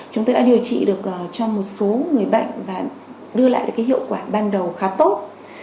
chúng tôi đã điều trị được cho một số người bệnh và đưa lại được hiệu quả ban đầu khá tốt